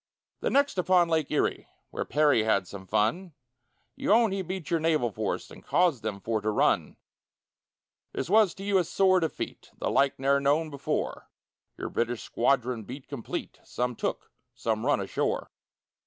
The next upon Lake Erie, Where Perry had some fun, You own he beat your naval force, And caused them for to run; This was to you a sore defeat, The like ne'er known before Your British squadron beat complete Some took, some run ashore.